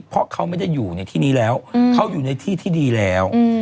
เพราะเขาไม่ได้อยู่ในที่นี้แล้วเขาอยู่ในที่ที่ดีแล้ว